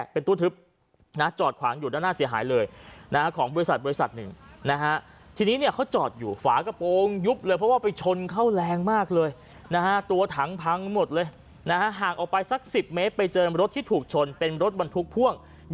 ภาคนที่นี่ก็จอดอยู่ฝากระโปรงยุบเลยออกไปชนเขาแรงมากเลยนะตัวถังพังหมดเลยนั้นฮะออไปสักสิบเม้ไปเจอมรถที่ถูกชนเป็นรถบรรพุกพรั่ง